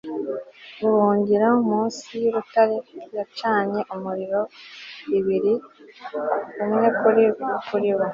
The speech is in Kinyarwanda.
ubuhungiro munsi y'urutare, yacanye umuriro ibiri, umwe kuri bo